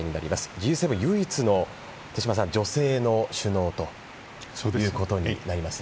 Ｇ７唯一の手嶋さん、女性の首脳ということになりますね。